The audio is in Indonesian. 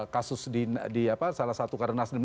kasus di salah satu karena nasdem